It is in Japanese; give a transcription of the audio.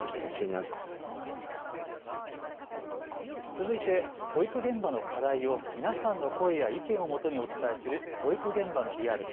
続いて保育現場の課題を皆さんの声や意見をもとにお伝えする保育現場のリアル。